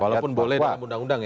walaupun boleh dalam undang undang ya